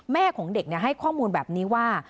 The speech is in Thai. แม่ของเด็กให้ข้อมูลแบบนี้ว่า